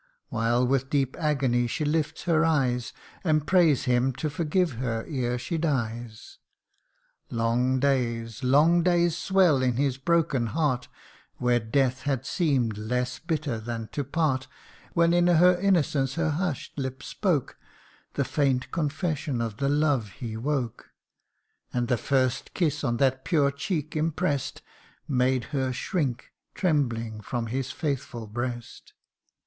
79 While with deep agony she lifts her eyes, And prays him to forgive her, ere she dies ! Long days long days swell in his broken heart, When death had seem'd less bitter than to part When in her innocence her hush'd lip spoke The faint confession of the love he woke ; And the first kiss on that pure cheek impress'd, Made her shrink, trembling, from his faithful breast.